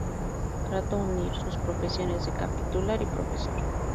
Trato unir sus profesiones de capitular y profesor.